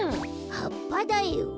はっぱだよ。